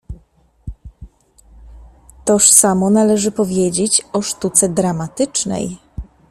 "Toż samo należy powiedzieć o sztuce dramatycznej."